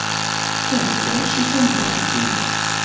Marika maci d tameddakelt-inu.